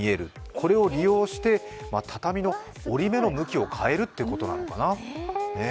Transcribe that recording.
これを利用して畳の織り目の向きを変えるということなのかな。